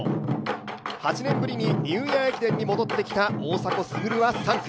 ８年ぶりにニューイヤー駅伝に戻ってきた大迫傑は３区。